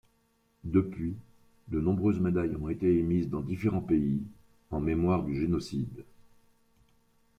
Depuis, de nombreuses médailles ont été émises dans différents pays, en mémoire du génocide.